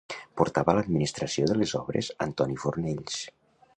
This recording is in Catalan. Portava l'administració de les obres Antoni Fornells.